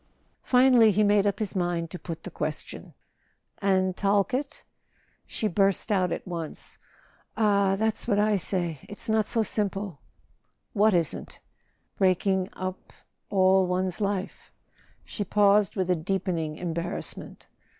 Finally he made up his mind to put the question: "And Talkett?" She burst out at once: "Ah, that's what I say— it's not so simple !" "What isn't?" "Breaking up—all one's life." She paused with a deepening embarrassment.